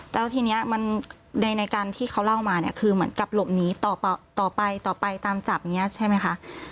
แล้วทีนี้มันในการที่เขาเล่ามาเนี่ยคือเหมือนกับหลบหนีต่อไปต่อไปตามจับอย่างนี้ใช่ไหมคะ